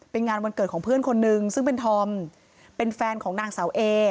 เป็นงานวันเกิดของเพื่อนคนนึงซึ่งเป็นธอมเป็นแฟนของนางสาวเอ